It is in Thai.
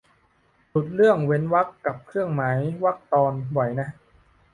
หลุดเรื่องเว้นวรรคกับเครื่องหมายวรรคตอนบ่อยนะ